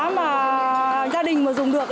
mà gia đình mà dùng được